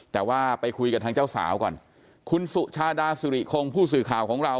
แต่ว่าไปคุยกับทางเจ้าสาวก่อนคุณสุชาดาสุริคงผู้สื่อข่าวของเรา